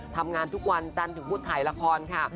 ทำงานทุกวันจันทร์ถึงพุทธถ่ายละครค่ะ